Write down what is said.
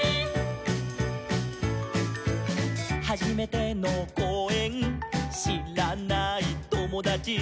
「はじめてのこうえんしらないともだち」